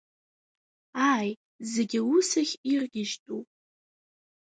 Ааи, зегьы аус ахь иргьежьтәуп.